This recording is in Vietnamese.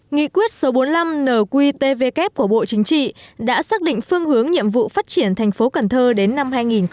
nghị quyết số bốn mươi năm nqtvk của bộ chính trị đã xác định phương hướng nhiệm vụ phát triển thành phố cần thơ đến năm hai nghìn hai mươi